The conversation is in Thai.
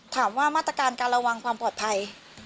ถามว่ามาตรการการระวังความปลอดภัย